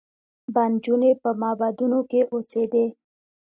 به نجونې په معبدونو کې اوسېدې